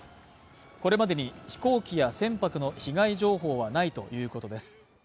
これまでに飛行機や船舶の被害情報はないということです。